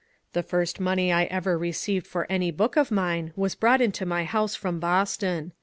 The first money I ever received for any book of mine was brought into my house from Boston.